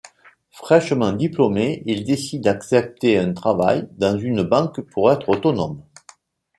Fraichement diplômé, il décide accepter un travail dans une banque pour être autonome.